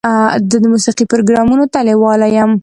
زه د موسیقۍ پروګرام ته لیواله یم.